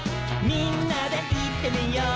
「みんなでいってみよう」